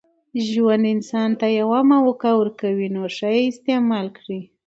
ژوند انسان ته یوه موکه ورکوي، نوښه ئې استعیمال کړئ!